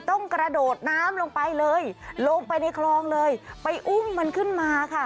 กระโดดน้ำลงไปเลยลงไปในคลองเลยไปอุ้มมันขึ้นมาค่ะ